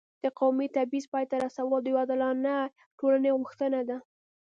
د قومي تبعیض پای ته رسول د یو عادلانه ټولنې غوښتنه ده.